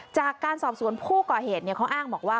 จากการสอบสวนผู้ก่อเหตุเขาอ้างบอกว่า